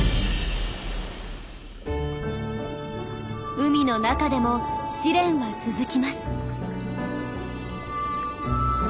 海の中でも試練は続きます。